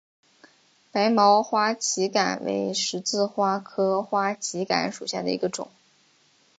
白毛花旗杆为十字花科花旗杆属下的一个种。